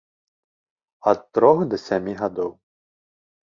Ад трох да сямі гадоў.